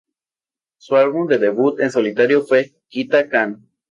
Su álbum de debut en solitario fue "Kita Kan".